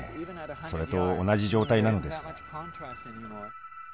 それと同じ状態なのです。